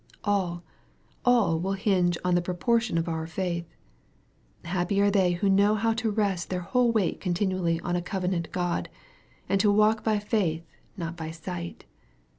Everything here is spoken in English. All, all will hinge on the proportion of our faith. Happy are they who know how to rest their whole weight continually on a covenant God, and to walk by faith, not by sight.